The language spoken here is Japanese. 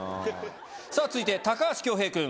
さぁ続いて高橋恭平くん。